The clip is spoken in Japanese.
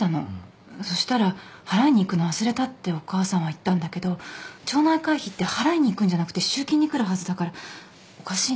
そしたら払いに行くの忘れたってお母さんは言ったんだけど町内会費って払いに行くんじゃなくて集金に来るはずだからおかしいなって思ったんだよね。